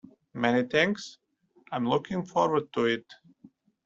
Many thanks. I'm looking forward to it.